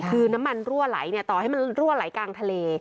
คือน้ำมันรั่วไหลต่อให้มันรั่วไหลกลางทะเล